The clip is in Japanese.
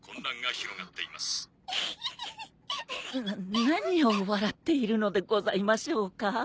な何を笑っているのでございましょうか。